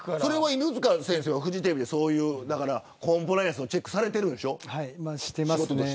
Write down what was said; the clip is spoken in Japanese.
犬塚先生はフジテレビでコンプライアンスのチェックされてるんでしょ。